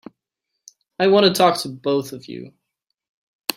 I want to talk to both of you.